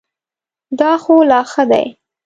دا خو لا ښه دی .